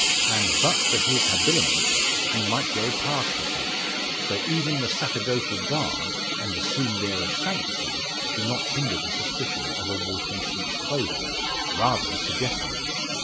And but for his habiliments he might well pass for such; though even the sacerdotal garb, and assumed air of sanctity, do not hinder the suspicion of a wolf in sheep's clothing rather suggesting it.